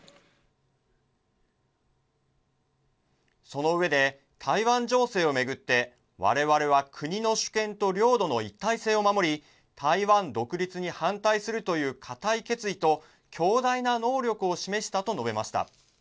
そのうえで台湾情勢を巡ってわれわれは国の主権と領土の一体性を守り台湾独立に反対するという固い決意と強大な能力を示したと述べました。